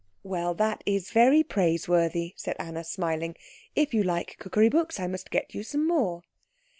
"Well, that is very praiseworthy," said Anna, smiling. "If you like cookery books, I must get you some more."